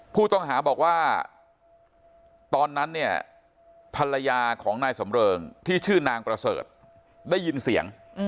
ผู้ต้องหาบอกว่าตอนนั้นเนี่ยภรรยาของนายสำเริงที่ชื่อนางประเสริฐได้ยินเสียง